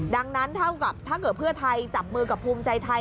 ดังนั้นเท่ากับถ้าเกิดเพื่อไทยจับมือกับภูมิใจไทย